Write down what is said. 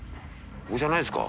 ここじゃないですか？